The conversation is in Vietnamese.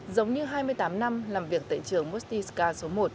giống như hai mươi tám năm làm việc tại trường mostiska số một